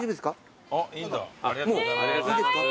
いいですか？